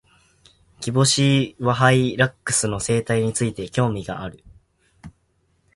キボシイワハイラックスの生態について、興味がある。